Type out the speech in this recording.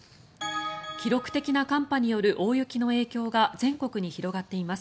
記録的な寒波による大雪の影響が全国に広がっています。